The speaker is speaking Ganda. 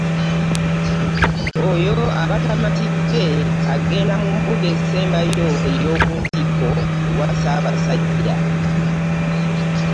Oyo aba tamatidde, agenda mu mbuga esembayo ey'okuntikko ewa ssaabasajja